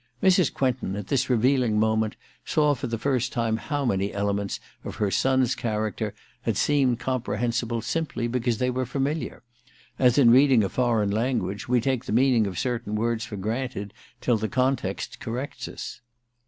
Mrs. Quentin, at this revealing moment, saw for the first time how many elements of her son's character had seemed comprehensible simply because they were familiar : as, in reading a foreign language, we take the meaning of certain words for granted till the context corrects us.